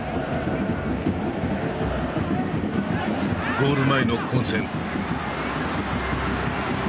ゴール前の混戦。